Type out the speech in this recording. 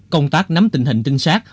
công tác nắm tình hình tinh sát